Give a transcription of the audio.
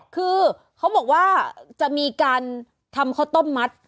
คือเขาบอกว่าจะมีการทำข้าวต้มมัด